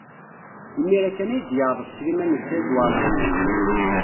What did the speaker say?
Imir-a kan ay d-yeɛḍes Sliman U Saɛid Waɛmaṛ U Muḥ.